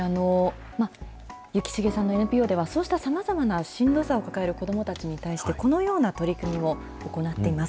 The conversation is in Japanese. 幸重さんのＮＰＯではそうしたさまざまなしんどさを抱える子どもたちに対して、このような取り組みを行っています。